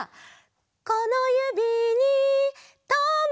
「このゆびにとまれ」